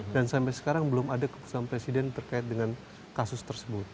dan sampai sekarang belum ada keputusan presiden terkait dengan kasus tersebut